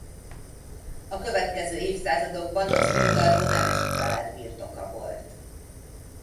A következő évszázadokban az Ungaro nemesi család birtoka volt.